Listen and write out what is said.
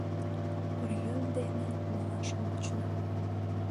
Оръеҥ дене малаш вочна.